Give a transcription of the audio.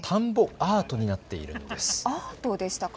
アートでしたか。